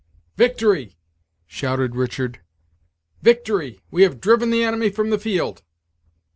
"Victory!" shouted Richard, "victory! we have driven the enemy from the field."